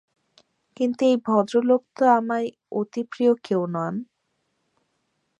কিন্তু এই ভদ্রলোক তো আমার অতিপ্রিয় কেউ নন।